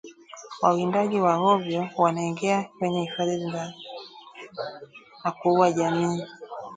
Wawindaji wa hovyo wanaingia kwenye hifadhi na kuua jamii